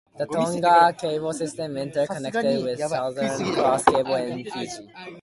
The Tonga Cable System interconnects with Southern Cross Cable in Fiji.